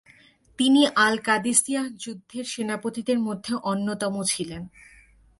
তিনি আল-কাদিসিয়াহ যুদ্ধের সেনাপতিদের মধ্যে অন্যতম ছিলেন।